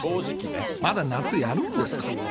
まだ夏、やるんですか。